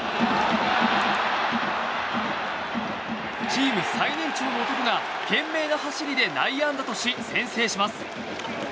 チーム最年長の男が懸命な走りで内野安打とし先制します。